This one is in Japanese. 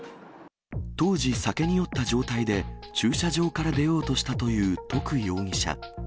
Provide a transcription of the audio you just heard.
当時、酒に酔った状態で駐車場から出ようとしたという徳容疑者。